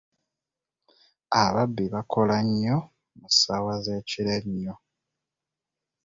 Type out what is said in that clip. Ababbi bakola nnyo mu ssaawa z'ekiro ennyo.